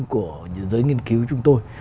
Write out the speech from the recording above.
của những giới nghiên cứu chúng tôi